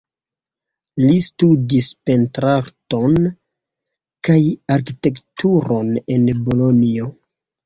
Li studis pentrarton kaj arkitekturon en Bolonjo.